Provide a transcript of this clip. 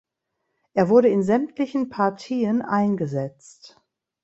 Er wurde in sämtlichen Partien eingesetzt.